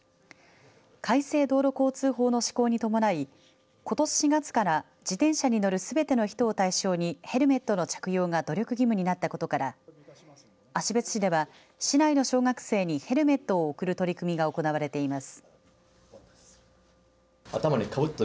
改正道路交通法の施行に伴いことし４月から自転車に乗るすべての人を対象にヘルメットの着用が努力義務になったことから芦別市では市内の小学生にヘルメットを贈る取り組みが行われています。